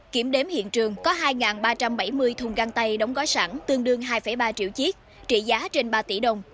kiểm đếm hiện trường có hai ba trăm bảy mươi thùng găng tay đóng gói sẵn tương đương hai ba triệu chiếc trị giá trên ba tỷ đồng